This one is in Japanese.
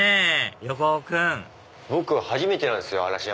横尾君僕初めてなんですよ嵐山。